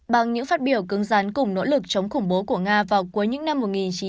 bằng những phát biểu cứng rắn cùng nỗ lực chống khủng bố của nga vào cuối những năm một nghìn chín trăm chín mươi